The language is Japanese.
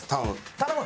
頼む！